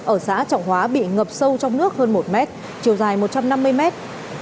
ở xã trọng hóa bị ngập sâu trong nước hơn một mét chiều dài một trăm năm mươi mét